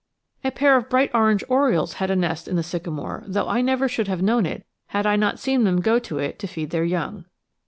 A pair of bright orange orioles had a nest in the sycamore, though I never should have known it had I not seen them go to it to feed their young.